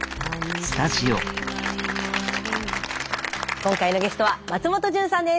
今回のゲストは松本潤さんです。